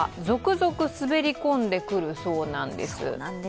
続々滑り込んでくるそうなんです。